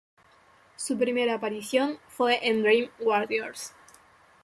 Su primera aparición fue en "Dream Warriors".